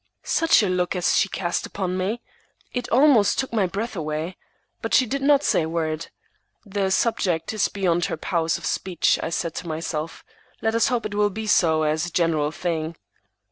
Such a look as she cast upon me! It almost took my breath away. But she did not say a word. "The subject is beyond her powers of speech," I said to myself. "Let us hope it will be so as a general thing."